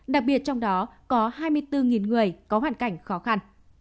đặc biệt trong đó có hai mươi bốn người có hoàn cảnh khó khăn